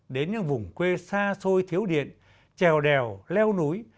đến những vùng quê xa xôi thiếu điện trèo đèo leo núi